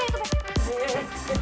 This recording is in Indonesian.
aduh udah udah udah